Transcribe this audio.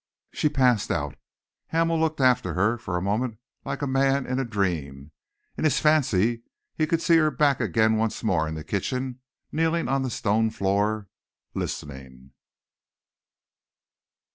She passed out. Hamel looked after her, for a moment, like a man in a dream. In his fancy he could see her back again once more in the kitchen, kneeling on the stone floor, listening!